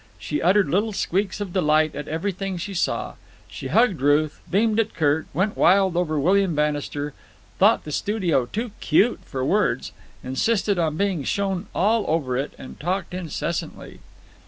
She uttered little squeaks of delight at everything she saw. She hugged Ruth, beamed at Kirk, went wild over William Bannister, thought the studio too cute for words, insisted on being shown all over it, and talked incessantly.